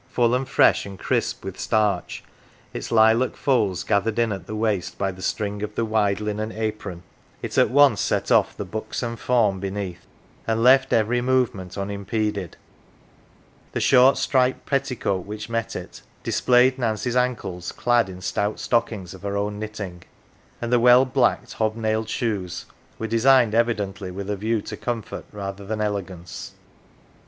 Full, and fresh, and crisp with starch, its lilac folds gathered in at the waist by the string of the wide linen apron, it at once set oft' the buxom form beneath, and left every movement unimpeded ; the short striped petticoat which met it, displayed Nancy's ankles clad in stout stockings of her own knitting; and the \vell blacked hob nailed shoes were designed evidently with a view to comfort rather than elegance.